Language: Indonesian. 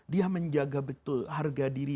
dia menjaga betul harga diri